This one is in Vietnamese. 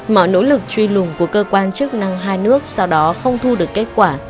mọi nỗ lực truy lùng của cơ quan chức năng hai nước sau đó không thu được kết quả